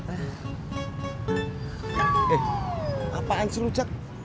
eh apaan sih lu jak